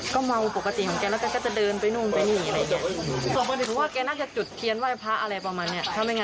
เขามีโรควิคตรวคเลยไหมไม่มีค่ะไม่มี